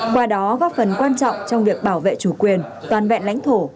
qua đó góp phần quan trọng trong việc bảo vệ chủ quyền toàn vẹn lãnh thổ